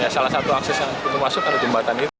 salah satu akses yang perlu dimasukkan jembatan itu